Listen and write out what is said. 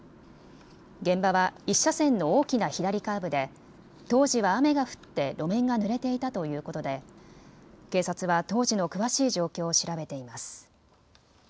現場は１車線の大きな左カーブで当時は雨が降って路面がぬれていたということで警察は当時の詳しい状況を調べています。